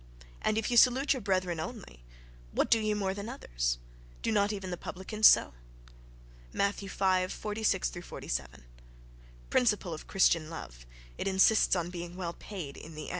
And if ye salute your brethren only, what do ye more than others? do not even the publicans so?" (Matthew v, 46.)—Principle of "Christian love": it insists upon being well paid in the end....